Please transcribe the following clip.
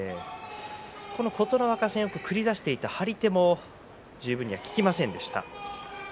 琴ノ若戦でよく繰り出していた張り手も十分に効きませんでした。